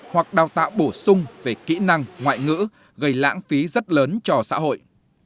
hoặc đào tạo bổ sung về kỹ năng ngoại ngữ gây lãng phí rất lớn cho xã hội